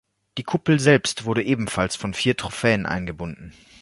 Die Kuppel selbst wurde ebenfalls von vier Trophäen eingebunden.